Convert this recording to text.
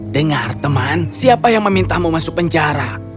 dengar teman siapa yang memintamu masuk penjara